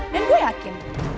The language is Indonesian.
dan gue yakin